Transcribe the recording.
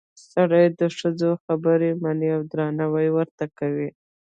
سړي د ښځو خبرې مني او درناوی ورته کوي